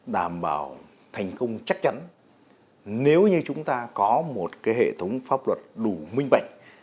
đảm bảo thành công chắc chắn nếu như chúng ta có một hệ thống pháp luật đủ minh bạch